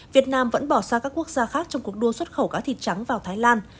việt nam vẫn bỏ xa các quốc gia khác trong cuộc đua xuất khẩu cá thịt trắng vào thái lan